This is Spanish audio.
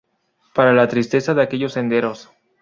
Para la tristeza de aquellos senderos.